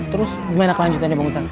terus gimana kelanjutannya bang utang